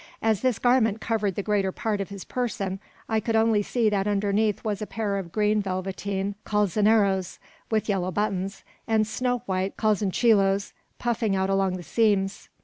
As this garment covered the greater part of his person, I could only see that underneath was a pair of green velveteen calzoneros, with yellow buttons, and snow white calzoncillos puffing out along the seams.